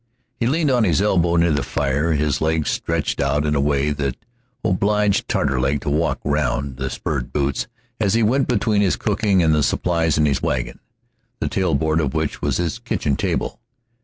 He leaned on his elbow near the fire, his legs stretched out in a way that obliged Taterleg to walk round the spurred boots as he went between his cooking and the supplies in the wagon, the tailboard of which was his kitchen table.